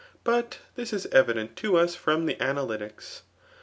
But thisiaevidenr to vtB from the Analytics.